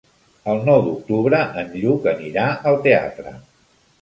El nou d'octubre en Lluc anirà al teatre.